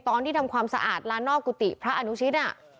ตอนที่ทำความสะอาดลานนอกกุฏิพระอาจารย์อนุชิต